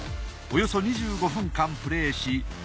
およそ２５分間プレーし１４